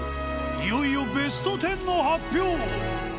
いよいよ、ベスト１０の発表